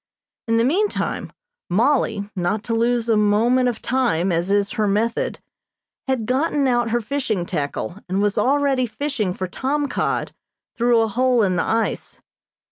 In the meantime Mollie, not to lose a moment of time, as is her method, had gotten out her fishing tackle and was already fishing for tom cod through a hole in the ice.